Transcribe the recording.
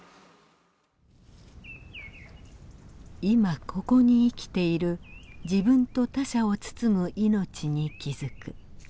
いま・ここに生きている自分と他者を包むいのちに気づく。